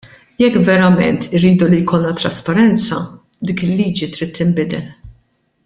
Jekk verament irridu li jkollna t-trasparenza, dik il-liġi trid tinbidel.